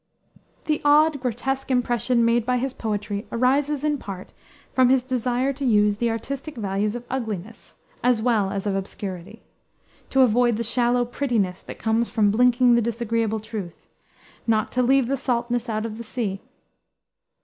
The odd, grotesque impression made by his poetry arises, in part, from his desire to use the artistic values of ugliness, as well as of obscurity; to avoid the shallow prettiness that comes from blinking the disagreeable truth: not to leave the saltness out of the sea.